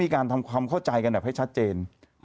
การทำความเข้าใจกันแบบให้ชัดเจน